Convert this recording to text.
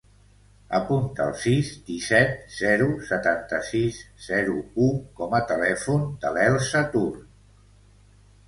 Apunta el sis, disset, zero, setanta-sis, zero, u com a telèfon de l'Elsa Tur.